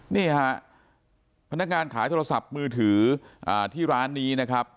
นี่ฮะพนักงานขายโทรศัพท์มือถือที่ร้านนี้นะครับ